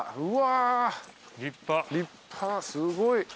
うわ立派すごい。